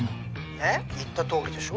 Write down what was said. ☎ねっ言ったとおりでしょ